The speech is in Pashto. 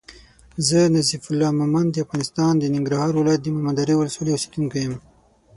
زه نظیف الله مومند د افغانستان د ننګرهار ولایت د مومندرې ولسوالی اوسېدونکی یم